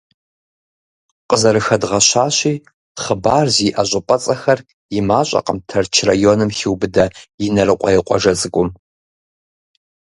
Къызэрыхэдгъэщащи, хъыбар зиӏэ щӏыпӏэцӏэхэр и мащӏэкъым Тэрч районым хиубыдэ Инарыкъуей къуажэ цӏыкӏум.